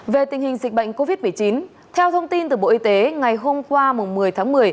về tình hình dịch bệnh covid một mươi chín theo thông tin từ bộ y tế ngày hôm qua một mươi tháng một mươi